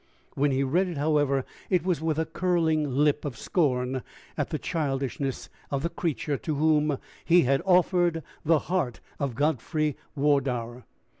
When he read it, however, it was with a curling lip of scorn at the childishness of the creature to whom he had offered the heart of Godfrey Wardour.